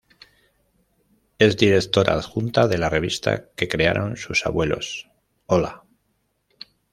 Es directora adjunta de la revista que crearon sus abuelos: ¡Hola!